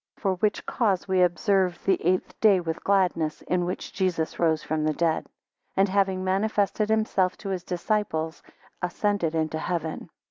10 For which cause we observe the eight day with gladness, in which Jesus rose from the dead; and having manifested himself to his disciples, ascended into heaven.